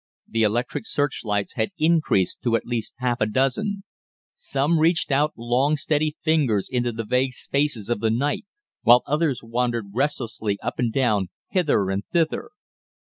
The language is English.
The electric searchlights had increased to at least half a dozen. Some reached out long, steady fingers into the vague spaces of the night, while others wandered restlessly up and down, hither and thither.